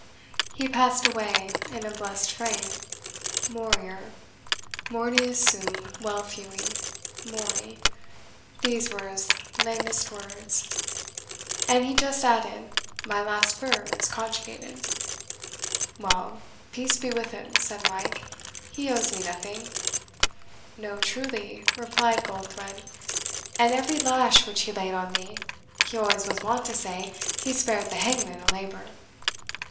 He passed away in a blessed frame. 'MORIOR MORTUUS SUM VEL FUI MORI' these were his latest words; and he just added, 'my last verb is conjugated." "Well, peace be with him," said Mike, "he owes me nothing." "No, truly," replied Goldthred; "and every lash which he laid on thee, he always was wont to say, he spared the hangman a labour."